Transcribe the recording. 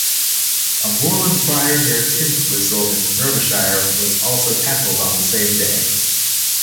A moorland fire near Tintwistle in Derbyshire was also tackled on the same day.